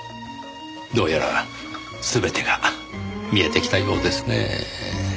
どうやら全てが見えてきたようですねぇ。